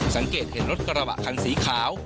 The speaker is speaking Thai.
สังเกตเห็นรถกระบะคันสีขาว